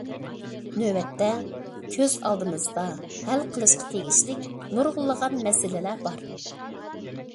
نۆۋەتتە، كۆز ئالدىمىزدا ھەل قىلىشقا تېگىشلىك نۇرغۇنلىغان مەسىلىلەر بار.